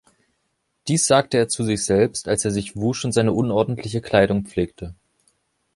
Dies sagte er zu sich selbst, als er sich wusch und seine unordentliche Kleidung pflegte.